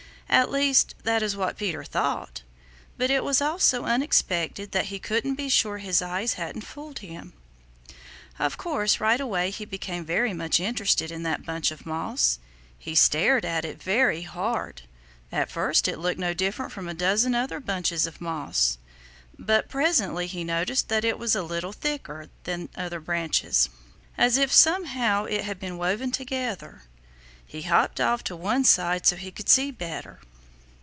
At least, that is what Peter thought. But it was all so unexpected that he couldn't be sure his eyes hadn't fooled him. Of course, right away he became very much interested in that bunch of moss. He stared at it very hard. At first it looked no different from a dozen other bunches of moss, but presently he noticed that it was a little thicker than other bunches, as if somehow it had been woven together. He hopped off to one side so he could see better.